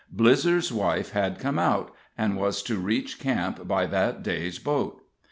Blizzer's wife had come out, and was to reach camp by that day's boat.